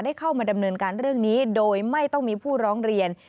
เข้ามาดำเนินการเรื่องนี้โดยไม่ต้องมีผู้ร้องเรียน